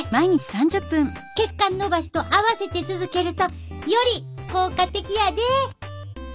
血管のばしと合わせて続けるとより効果的やで。